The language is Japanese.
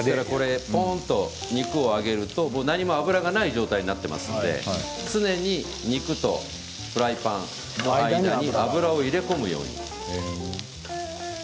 肉を上げると何も油がない状態になっていますので常に肉とフライパンの間に油を入れ込むように。